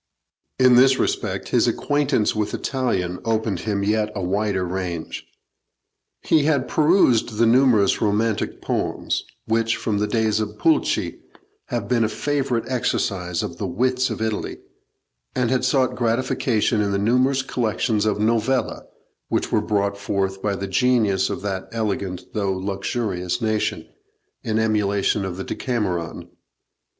In this respect his acquaintance with Italian opened him yet a wider range. He had perused the numerous romantic poems, which, from the days of Pulci, have been a favourite exercise of the wits of Italy, and had sought gratification in the numerous collections of novelle, which were brought forth by the genius of that elegant though luxurious nation, in emulation of the 'Decameron.'